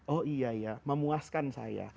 oh iya ya memuaskan saya